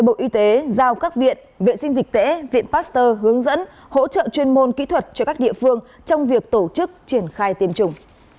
bộ y tế giao các viện vệ sinh dịch tễ viện pasteur hướng dẫn hỗ trợ chuyên môn kỹ thuật cho các địa phương trong việc tổ chức triển khai tiêm chủng